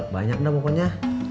banyak dah pokoknya